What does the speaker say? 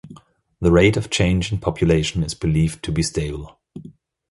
The rate of change in population is believed to be stable.